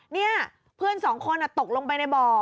นี่เพื่อนสองคนตกลงไปในบ่อ